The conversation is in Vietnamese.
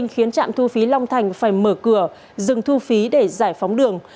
khiến trạm thu phí long thành phải mở cửa dừng thu phí để giải phóng đường